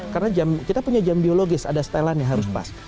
karena kita punya jam biologis ada setelan yang harus pas